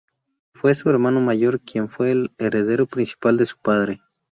Fue su hermano mayor quien fue el heredero principal de su padre.